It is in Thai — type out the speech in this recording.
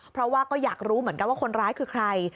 เพราะว่าก็อยากรู้เหมือนกันว่าคนร้ายคือใคร